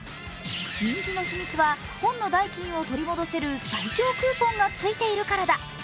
人気の秘密は本の代金を取り戻せる最強クーポンが付いているからだ。